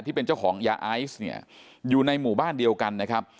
ที่เป็นเจ้าของยาไอซ์เนี่ยอยู่ในหมู่บ้านเดียวกันนะครับ